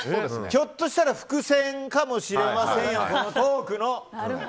ひょっとしら伏線かもしれませんよ。